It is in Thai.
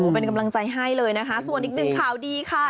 เป็นกำลังใจให้เลยนะคะส่วนอีกหนึ่งข่าวดีค่ะ